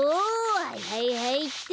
はいはいはいっと。